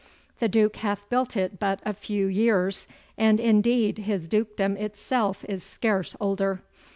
The Duke hath built it but a few years, and, indeed, his Dukedom itself is scarce older.